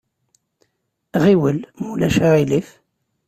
Ɣiwel, ma ulac aɣilif.